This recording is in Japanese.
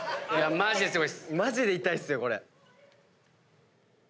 マジで痛いっすよこれ。